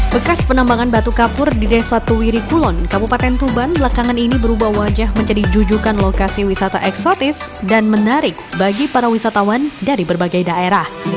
bekas penambangan batu kapur di desa tuwiri kulon kabupaten tuban belakangan ini berubah wajah menjadi jujukan lokasi wisata eksotis dan menarik bagi para wisatawan dari berbagai daerah